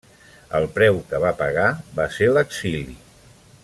El preu que va pagar va ser l'exili.